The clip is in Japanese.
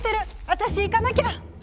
私行かなきゃ！